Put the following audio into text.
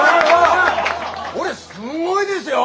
これすんごいですよ。